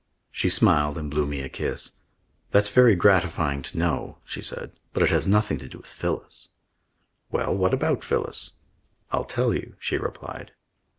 She smiled and blew me a kiss. "That's very gratifying to know," she said. "But it has nothing to do with Phyllis." "Well, what about Phyllis?" "I'll tell you," she replied.